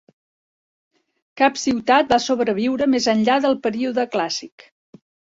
Cap ciutat va sobreviure més enllà del període clàssic.